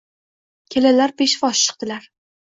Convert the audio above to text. Kelinlar peshvoz chiqdilar